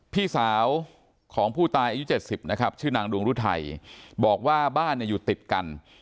พี่สาวของผู้ตายอายุ๗๐นะครับชื่อนางดวงรุทัยบอกว่าบ้านเนี่ยอยู่ติดกัน